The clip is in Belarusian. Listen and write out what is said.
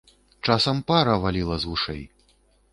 Часам пара валіла з вушэй!